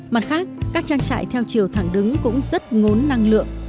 mặt khác các trang trại theo chiều thẳng đứng cũng rất ngốn năng lượng